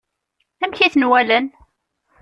Amek i ten-walan?